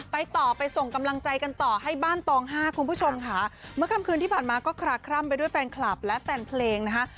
ไปต่อไปส่งกำลังใจกันต่อให้บ้านตองห้าคุณผู้ชมค่ะเมื่อค่ำคืนที่ผ่านมาก็คลาคร่ำไปด้วยแฟนคลับและแฟนเพลงนะคะ